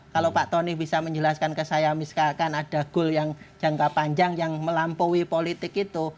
kalau pak tony bisa menjelaskan ke saya misalkan ada goal yang jangka panjang yang melampaui politik itu